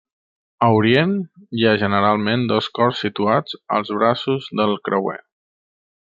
A orient, hi ha generalment dos cors situats als braços del creuer.